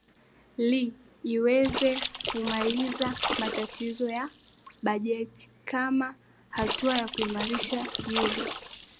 li iweze kumaliza matatizo yake ya bajeti kama hatua ya kuimarisha euro